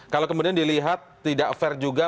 kalau kemudian dilihat tidak fair juga